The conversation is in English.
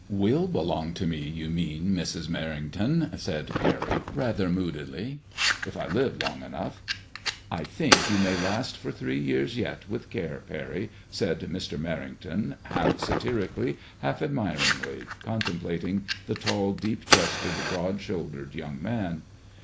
"Will belong to me, you mean, Mrs. Merrington/' said Parry, rather moodily, '^ if I live long enough." "I think you may last for three years yet with care, Parry," said Mr. Merrington, half satiri cally, half admiringly, contem plating the tall, deep chested, broad shouldered young man.